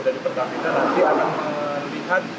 dari pertama kita nanti akan melihat